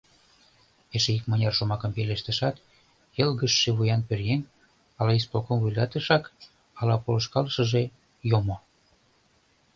Эше икмыняр шомакым пелештышат, йылгыжше вуян пӧръеҥ, ала исполком вуйлатышак, ала полышкалышыже, йомо.